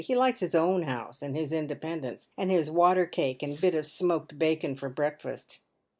He likes his own house and his independence, and his water cake and bit of smoked bacon for breakfast."